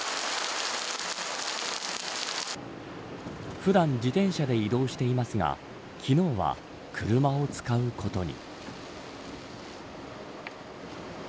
普段、自転車で移動していますが昨日は車を使うことに。